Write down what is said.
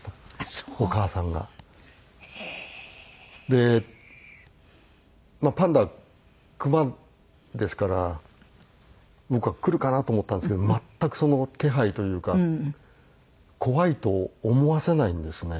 でパンダは熊ですから僕は来るかなと思ったんですけど全くその気配というか怖いと思わせないんですね。